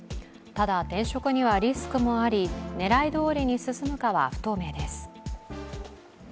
ただ、転職にはリスクもあり狙いどおりに進むかは不透明です。